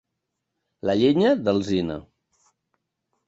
La llenya, d'alzina.